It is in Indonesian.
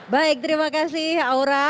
baik terima kasih aura